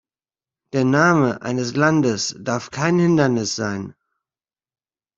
Der Name eines Landes darf kein Hindernis sein!